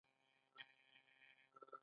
دا ناسم تصور شخړې زېږوي.